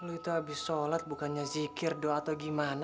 lo itu abis sholat bukannya zikir doa atau gimana